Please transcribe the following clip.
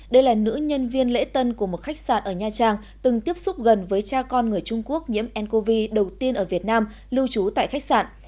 đây là nữ nhân viên lễ tân của một khách sạn ở nha trang từng tiếp xúc gần với cha con người trung quốc nhiễm ncov đầu tiên ở việt nam lưu trú tại khách sạn